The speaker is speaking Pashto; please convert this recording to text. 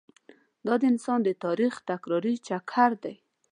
دا د انسان د تاریخ تکراري چکر دی.